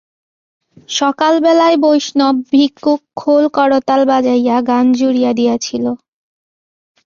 সকালবেলায় বৈষ্ণব ভিক্ষুক খোল-করতাল বাজাইয়া গান জুড়িয়া দিয়াছিল।